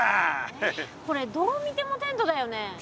えっこれどう見てもテントだよね。